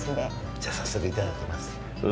じゃあ、早速いただきます。